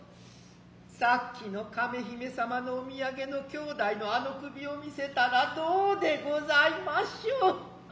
先刻の亀姫様のお土産の兄弟のあの首を見せたら何うでございませう。